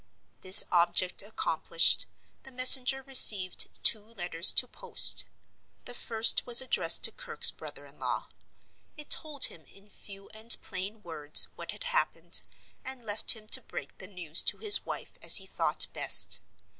This object accomplished, the messenger received two letters to post. The first was addressed to Kirke's brother in law. It told him, in few and plain words, what had happened; and left him to break the news to his wife as he thought best.